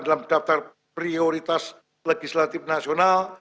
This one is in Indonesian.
dalam daftar prioritas legislatif nasional